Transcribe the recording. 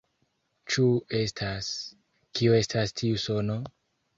Ĉu estas... kio estas tiu sono?